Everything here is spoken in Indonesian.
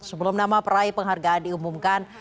sebelum nama peraih penghargaan diumumkan